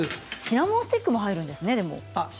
シナモンスティックも入るんですね。